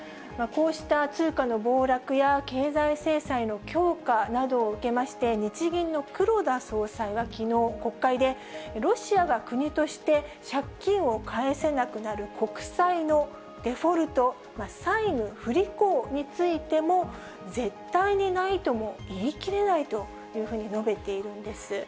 こうした通貨の暴落や、経済制裁の強化などを受けまして、日銀の黒田総裁はきのう、国会で、ロシアが国として借金を返せなくなる国債のデフォルト・債務不履行についても、絶対にないとも言い切れないというふうに述べているんです。